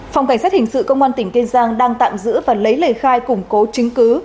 phòng cảnh sát hình sự công an tp hcm đang tạm giữ và lấy lời khai củng cố chứng cứ